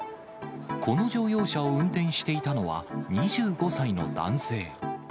この乗用車を運転していたのは、２５歳の男性。